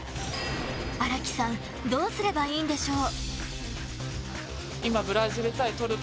荒木さんどうすればいいんでしょう。